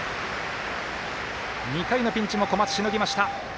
２回のピンチも小松、しのぎました。